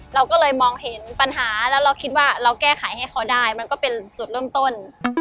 เราก็เลยมองเห็นปัญหาแล้วเราคิดว่าเราแก้ไขให้เขาได้มันก็เป็นจุดเริ่มต้น